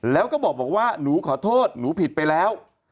แล้วก็บอกว่าหนูขอโทษหนูผิดไปแล้ว